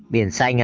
biển xanh ạ